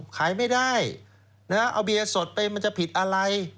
ขายไม่ได้เอาเบียร์สดไปมันจะผิดอะไร